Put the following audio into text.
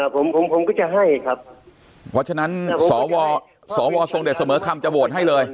ผมคงก็จะให้ครับเพราะฉะนั้นสวสวทรงเดชเสมอคำจะโหวตให้เลย